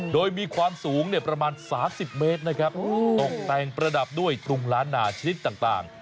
โดยมีความสูงประมาณ๓๐เมตรนะครับตกแต่งประดับด้วยกรุงล้านนาชนิดต่าง